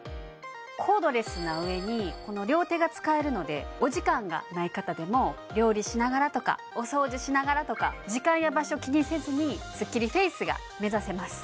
コードレスなうえにこの両手が使えるのでお時間がない方でも料理しながらとかお掃除しながらとか時間や場所気にせずにスッキリフェイスが目指せます